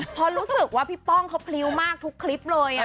พอรู้สึกว่าพี่ป้องเขาพลิ้วมากทุกคลิปเลย